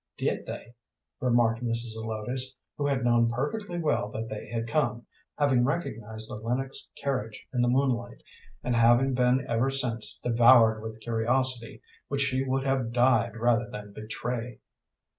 "Did they?" remarked Mrs. Zelotes, who had known perfectly well that they had come, having recognized the Lennox carriage in the moonlight, and having been ever since devoured with curiosity, which she would have died rather than betray.